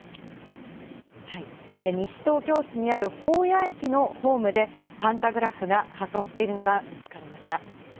西東京市にある保谷駅のホームでパンタグラフが破損しているのが見つかりました。